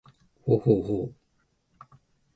ほうほうほう